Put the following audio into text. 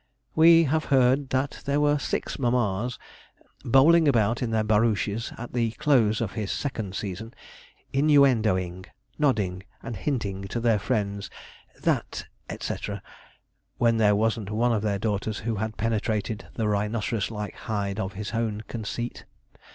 We have heard that there were six mammas, bowling about in their barouches, at the close of his second season, innuendoing, nodding, and hinting to their friends, 'that, &c.,' when there wasn't one of their daughters who had penetrated the rhinoceros like hide of his own conceit.